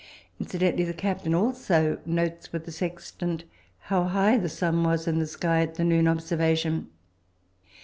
Incidentally, the captain also notes with the sextant how high the sun was in the sky at the noon observation.